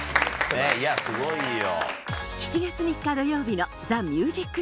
いやすごいよ。